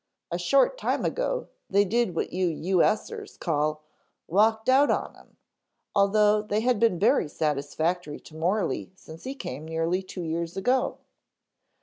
A short time ago they did what you U. S. er's call, 'walked out on him,' although they had been very satisfactory to Morley since he came nearly two years ago.